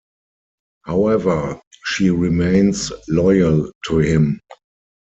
However, she remains loyal to him.